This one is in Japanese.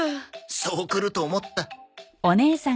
そうくると思った。